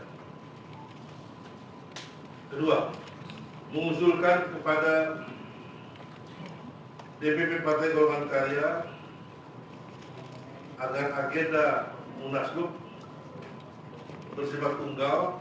kedua mengusulkan kepada dpp partai golongan karya agar agenda munaslup bersifat tunggal